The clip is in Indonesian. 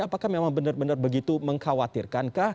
apakah memang benar benar begitu mengkhawatirkan kah